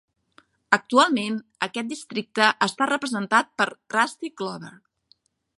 Actualment aquest districte està representat per Rusty Glover.